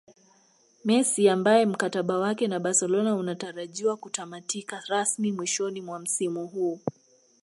Messi ambaye mkataba wake na Barcelona unatarajiwa kutamatika rasmi mwishoni mwa msimu huu